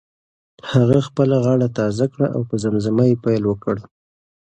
هغه خپله غاړه تازه کړه او په زمزمه یې پیل وکړ.